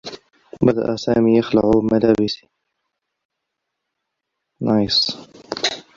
بدأ سامي يخلع ملابسي.